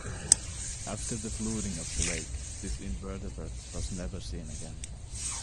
After the flooding of the lake, this invertebrate was never seen again.